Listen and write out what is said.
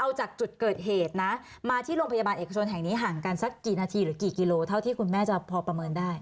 เอาจากจุดเกิดเหตุนะมาที่โรงพยาบาลเอกชนแห่งนี้ห่างกันสักกี่นาทีหรือกี่กิโลเท่าที่คุณแม่จะพอประเมินได้